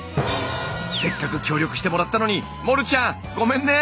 せっかく協力してもらったのにモルちゃんごめんね。